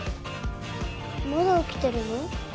まだ起きてるの？